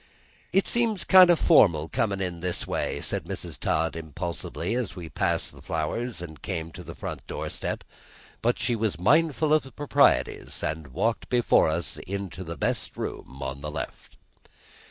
"It seems kind o' formal comin' in this way," said Mrs. Todd impulsively, as we passed the flowers and came to the front doorstep; but she was mindful of the proprieties, and walked before us into the best room on the left.